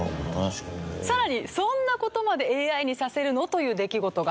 さらにそんな事までＡＩにさせるの？という出来事が。